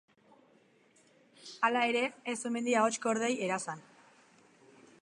Hala ere, ez omen die ahots-kordei erasan.